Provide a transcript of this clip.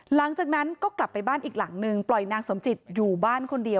หลังจากนั้นก็กลับไปบ้านอีกหลังนึงปล่อยนางสมจิตอยู่บ้านคนเดียว